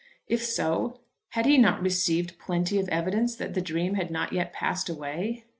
If so, had he not received plenty of evidence that the dream had not yet passed away?